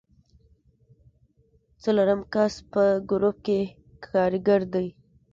څلورم کس په ګروپ کې کاریګر دی.